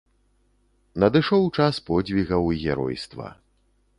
Надышоў час подзвігаў і геройства.